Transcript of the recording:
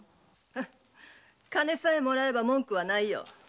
フン金さえもらえば文句はないよ。